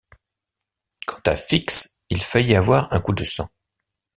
Quant à Fix, il faillit avoir un coup de sang.